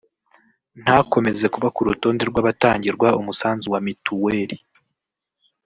ntakomeze kuba ku rutonde rw’abatangirwa umusanzu wa mituweli”